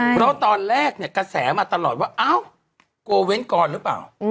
เพราะตอนแรกเนี่ยกระแสมาตลอดว่าอ้าวโกเว้นกรหรือเปล่า